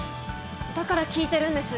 だから聞いてるんです。